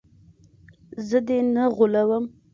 زه دې نه غولوم.